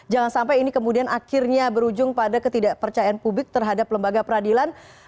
jangan sampai ini kemudian akhirnya berujung pada ketidakpercayaan publik terhadap lembaga peradilan